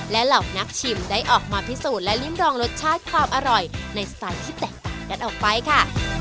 และเหล่านักชิมได้ออกมาพิสูจน์และริมรองรสชาติความอร่อยในสไตล์ที่แตกต่างกันออกไปค่ะ